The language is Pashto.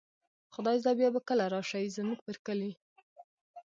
خدای زده بیا به کله را شئ، زموږ پر کلي